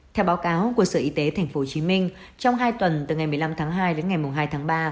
theo báo cáo của sở y tế tp hcm trong hai tuần từ ngày một mươi năm tháng hai đến ngày hai tháng ba